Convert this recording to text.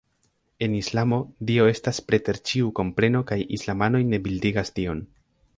En Islamo, Dio estas preter ĉiu kompreno kaj islamanoj ne bildigas Dion.